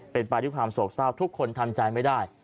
เป็นปลายที่ความโสกเศร้าทุกคนทันใจไม่ได้